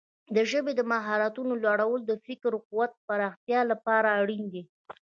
د ژبې د مهارتونو لوړول د فکري قوت د پراختیا لپاره اړین دي.